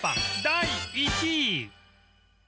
第１位